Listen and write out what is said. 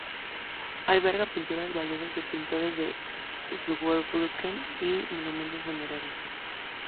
Alberga pinturas valiosas de pintores de Zweibrücken y monumentos funerarios.